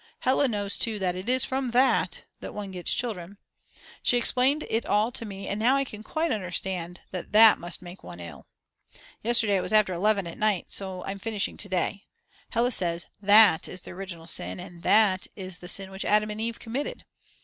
Hella knows too that it is from that that one gets children. She explained it all to me and now I can quite understand that that must make one ill. Yesterday it was after 11 at night and so I'm finishing to day. Hella says: That is the original sin, and that is the sin which Adam and Eve committed.